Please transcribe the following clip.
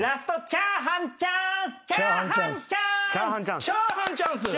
チャーハンチャンス。